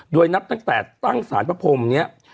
โดยนับตั้งแต่ตั้งสารพระพรมเนี่ย